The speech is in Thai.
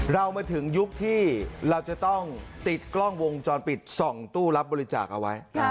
เรามาถึงยุคที่เราจะต้องติดกล้องวงจรปิดส่องตู้รับบริจาคเอาไว้